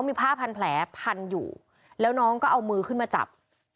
มีผ้าพันแผลพันอยู่แล้วน้องก็เอามือขึ้นมาจับ